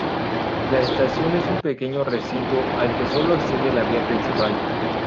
La estación es un pequeño recinto al que solo accede la vía principal.